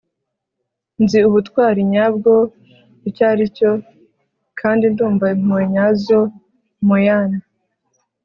nzi ubutwari nyabwo icyo ari cyo, kandi ndumva impuhwe nyazo. - mo yan